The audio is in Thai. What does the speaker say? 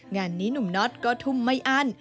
งานนี้หนุ่มน็อตก็ทุ่มไม่อั้น